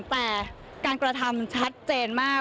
แต่การกระทำชัดเจนมาก